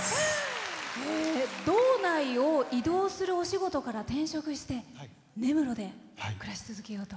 道内を移動するお仕事から転職して根室で暮らし続けようと。